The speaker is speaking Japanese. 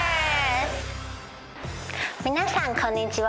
皆さんこんにちは。